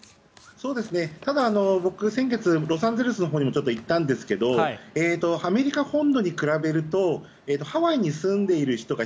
ただ、僕先月ロサンゼルスのほうにも行ったんですがアメリカ本土に比べるとハワイに住んでいる人が